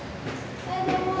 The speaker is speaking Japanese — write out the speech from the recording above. ・おはようございます。